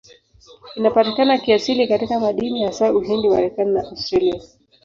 Inapatikana kiasili katika madini, hasa Uhindi, Marekani na Australia.